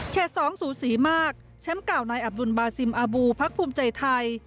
สองสูสีมากแชมป์เก่านายอับดุลบาซิมอาบูพักภูมิใจไทย